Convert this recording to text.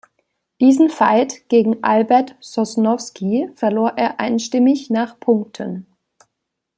Diesen Fight gegen Albert Sosnowski verlor er einstimmig nach Punkten.